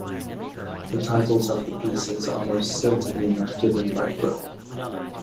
The titles of the pieces are most certainly not given by Fripp.